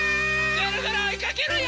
ぐるぐるおいかけるよ！